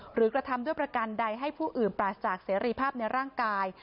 กระทำด้วยประกันใดให้ผู้อื่นปราศจากเสรีภาพในร่างกาย